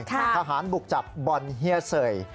ทหารบุกจับบ่อนเฮียเสย